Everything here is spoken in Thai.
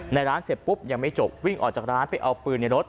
ในร้านเสร็จปุ๊บยังไม่จบวิ่งออกจากร้านไปเอาปืนในรถ